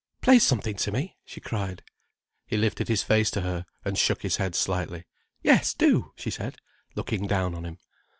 "Play something to me," she cried. He lifted his face to her, and shook his head slightly. "Yes do," she said, looking down on him.